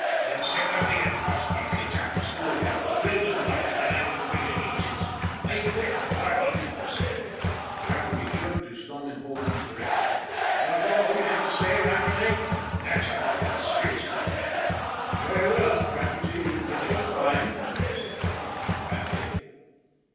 I'm sick av bein' bossed bye kids out av school that was buildin' blocks whin I was buildin' enjines. I quit or he does !" Rafferty jerked his thumb in Holman's direction. " Is that all you have to say, Rafferty? "" That's about the size av ut." RAFFERTY'S RULE 13 " Very well, Rafferty, you can get your time," said Carleton quietly.